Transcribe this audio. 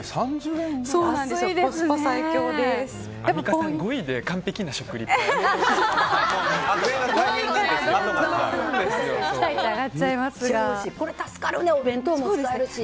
これ助かるね、お弁当もあるし。